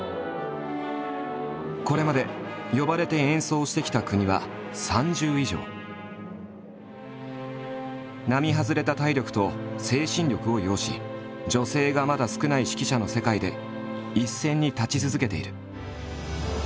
これまで呼ばれて演奏してきた国は並外れた体力と精神力を要し女性がまだ少ない指揮者の世界で一線に立ち続けている。